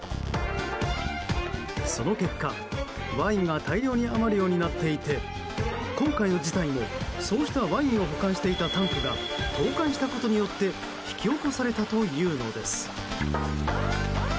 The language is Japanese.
その結果、ワインが大量に余るようになっていて今回の事態も、そうしたワインを保管していたタンクが倒壊したことによって引き起こされたというのです。